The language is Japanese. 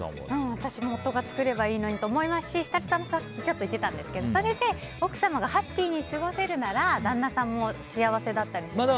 私も夫が作ればいいのにって思ったし設楽さんもさっきちょっと言ってたんですけどそれで奥様がハッピーに過ごせるなら旦那さんも幸せだったりしますよね。